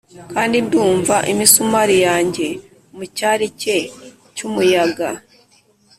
kandi ndumva imisumari yanjye mucyari cye cyumuyaga,